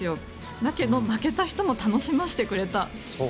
だけど負けた人も楽しませてくれた。